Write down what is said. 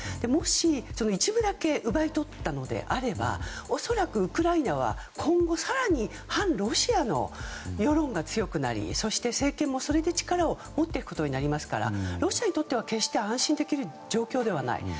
もし、一部だけ奪い取ったのであれば恐らくウクライナは今後更に反ロシアの世論が強くなり、政権もそれで力を持っていくことになりますからロシアにとっては決して安心できる状況ではない。